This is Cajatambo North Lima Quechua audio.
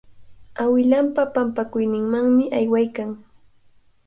Awilanpa pampakuyninmanmi aywaykan.